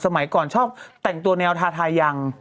สมัยก่อนชอบแต่งตัวแนวทาทายัง